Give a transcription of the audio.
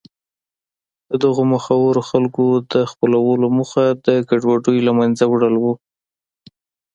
د دغو مخورو خلکو د خپلولو موخه د ګډوډیو له منځه وړل و.